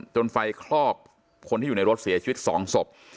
จนไฟคลอกคนที่อยู่ในรถเสียชีวิต๒ศพ